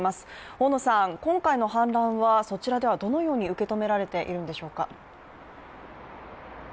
大野さん、今回の反乱はそちらではどのように受け止められているのでしょうか。